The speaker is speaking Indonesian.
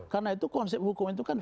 karena itu konsep hukum itu kan